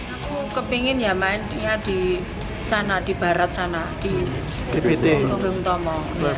aku kepingin ya mainnya di sana di barat sana di bbt bung tomo